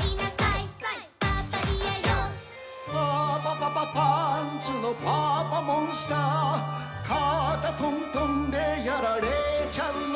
「パパパパパンツのパパモン★スター」「肩トントンでやられちゃうのだ」